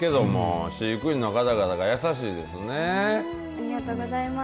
ありがとうございます。